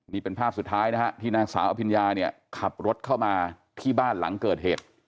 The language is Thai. นี่เป็นภาพสุดท้ายนะฮะที่นางสาวอภิญญาเนี่ยขับรถเข้ามาที่บ้านหลังเกิดเหตุ